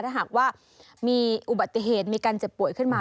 ถ้าหากว่ามีอุบัติเหตุมีการเจ็บป่วยขึ้นมา